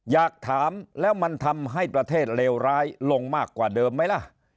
อยากถามแล้วมันทำให้ประเทศเลวร้ายลงมากกว่าเดิมไหมล่ะ